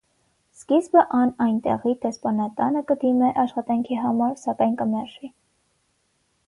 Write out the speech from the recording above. Սկիզբը ան այնտեղի դեսպանատանը կը դիմէ աշխատանքի համար, սակայն կը մերժուի։